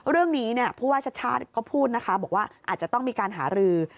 เรื่องนี้ผู้ว่าชัดก็พูดว่าอาจจะต้องมีการหาหรือ